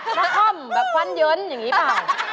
นักค่อมแบบควั้นเย้นอย่างนี้ป่ะ